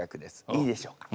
いいでしょうか？